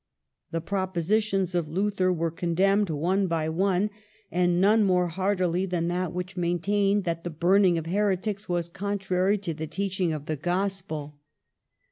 The propositions of Luther were condemned one by one; and none THE AFFAIR OF MEAUX. 59 more heartily than that which maintained that the burning of heretics was contrary to the teaching of the gospel.